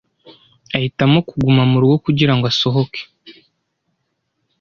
Ahitamo kuguma murugo kugirango asohoke.